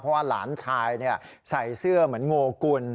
เพราะว่าหลานชายใส่เสื้อเหมือนโงกุล